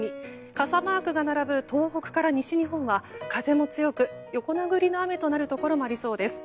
傘マークが並ぶ東北から西日本は風も強く、横殴りの雨となるところもありそうです。